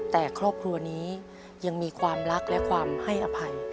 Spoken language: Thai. แต่ครอบครัวนี้ยังมีความรักและความให้อภัย